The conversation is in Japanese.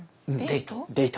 デート。